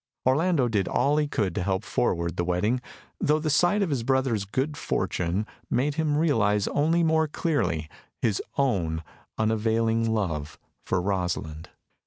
Orlando did all he could to help forward the wedding, though the sight of his brother's good fortune made him realise only more clearly his own unavailing love for Rosalind.